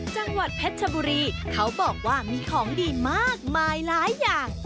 จังหวัดเพชรชบุรีเขาบอกว่ามีของดีมากมายหลายอย่าง